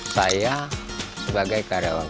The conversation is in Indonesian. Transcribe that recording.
saya sebagai karyawang